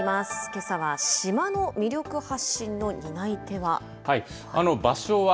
けさは島の魅力発信の担い手は？